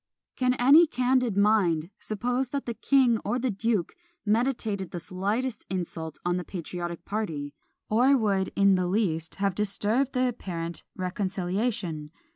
Can any candid mind suppose that the king or the duke meditated the slightest insult on the patriotic party, or would in the least have disturbed the apparent reconciliation!